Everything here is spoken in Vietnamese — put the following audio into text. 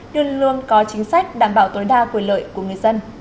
luôn luôn có chính sách đảm bảo tối đa quyền lợi của người dân